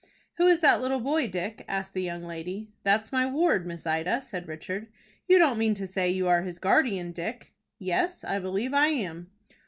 "Who is that little boy, Dick?" asked the young lady. "That's my ward, Miss Ida," said Richard. "You don't mean to say you are his guardian, Dick?" "Yes, I believe I am."